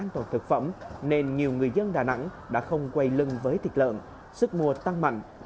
thực phẩm nên nhiều người dân đà nẵng đã không quay lưng với thịt lợn sức mùa tăng mạnh